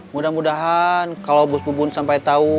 mudah mudahan kalau bos bubun sampai tau